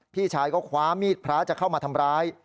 พี่ชายก็คว้ามีดพระจะเข้ามาทำร้าย